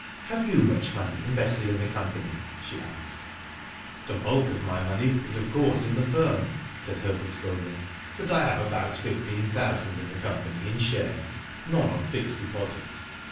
" Have you much money invested in the com pany ?" she asked, " The bulk of my money is of course in the firm," said Herbert Golding, "but I have about fifteen thousand in the company in shares, none on fixed deposit."